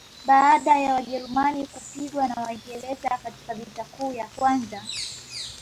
baada ya wajerumani kupigwa na waingereza katika vita kuu ya kwanza